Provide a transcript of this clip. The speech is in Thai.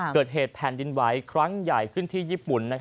เกิดเหตุแผ่นดินไหวครั้งใหญ่ขึ้นที่ญี่ปุ่น